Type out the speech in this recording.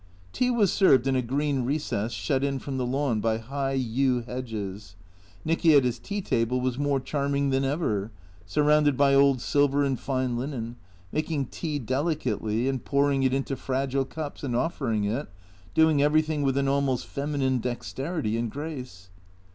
Tea was served in a green recess shut in from the lawn by high yew hedges. Nicky at his tea table was more charming than ever, surrounded by old silver and fine linen, making tea delicately, and pouring it into fragile cups and offering it, doing everything with an almost feminine dexterity and grace.